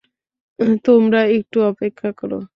তোমরা একটু অপেক্ষা করো!